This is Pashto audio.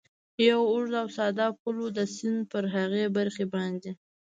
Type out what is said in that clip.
یو اوږد او ساده پل و، د سیند پر هغې برخې باندې.